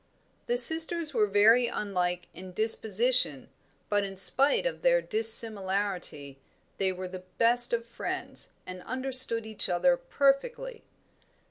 The sisters were very unlike in disposition; but in spite of their dissimilarity they were the best of friends, and understood each other perfectly.